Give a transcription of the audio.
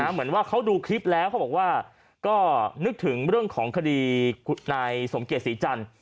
เหมือนว่าเขาดูคลิปแล้วเขาบอกว่าก็นึกถึงเรื่องของคดีนายสมเกียจศรีจันทร์